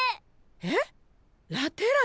へっラ・テラン！？